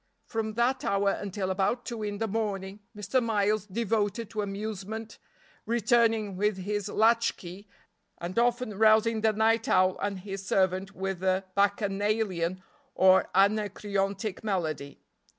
From that hour until about two in the morning Mr. Miles devoted to amusement, returning with his latch key, and often rousing the night owl and his servant with a bacchanalian or Anacreontic melody.